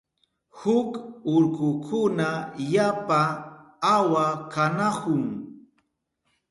huk urkukuna yapa awa kanahun.